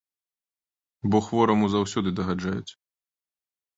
Бо хвораму заўсёды дагаджаюць.